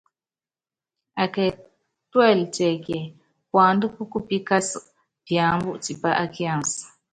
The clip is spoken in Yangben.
Akɛ tuɛ́lɛ tiɛkíɛ, puandá pú kupíkása píámbu tipá á kiansi.